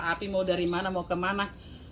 api mau dari mana mau kemana